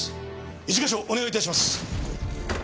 一課長お願い致します。